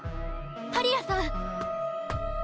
パリアさん！